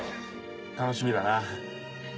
楽しみだな。